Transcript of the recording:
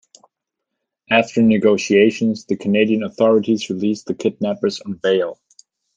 After negotiations, the Canadian authorities released the kidnappers on bail.